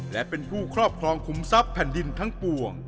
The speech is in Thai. และเป็นผู้ครอบครองคุมทรัพย์แผ่นดินทั้งปวง